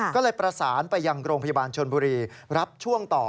ก็เลยประสานไปยังโรงพยาบาลชนบุรีรับช่วงต่อ